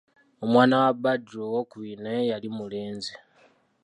Omwana wa Badru owookubiri naye yali mulenzi.